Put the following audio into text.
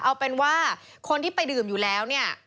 เอาเป็นว่าคนที่ไปดื่มอยู่แล้วเนี่ย